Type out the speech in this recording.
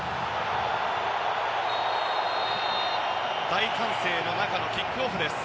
大歓声の中のキックオフです。